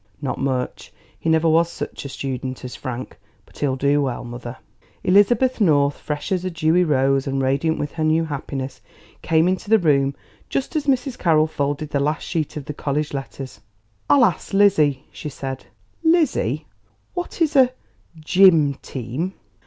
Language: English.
"Not much; he never was such a student as Frank; but he'll do well, mother." Elizabeth North, fresh as a dewy rose and radiant with her new happiness, came into the room just as Mrs. Carroll folded the last sheet of the college letters. "I'll ask Lizzie," she said. "Lizzie, what is a g y m team?"